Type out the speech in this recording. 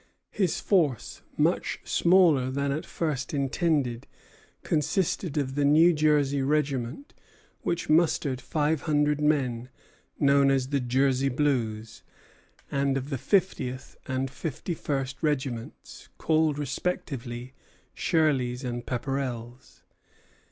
His force, much smaller than at first intended, consisted of the New Jersey regiment, which mustered five hundred men, known as the Jersey Blues, and of the fiftieth and fifty first regiments, called respectively Shirley's and Pepperell's.